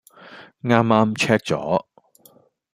啱啱 check 咗